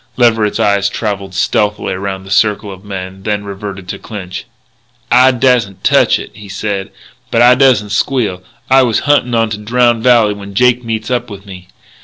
Leverett's eyes travelled stealthily around the circle of men, then reverted to Clinch. "I dassn't touch it," he said, "but I dassn't squeal.... I was huntin' onto Drowned Valley when Jake meets up with me."